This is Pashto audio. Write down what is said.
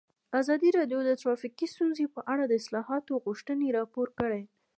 ازادي راډیو د ټرافیکي ستونزې په اړه د اصلاحاتو غوښتنې راپور کړې.